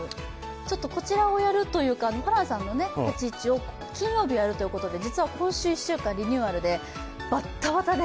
ちょっとこちらをやるというかホランさんの立ち位置を金曜日にやるということで実は今週１週間、リニューアルでバッタバタで。